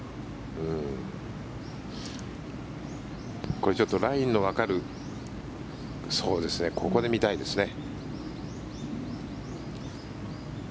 これちょっとラインのわかるここで見たいですね。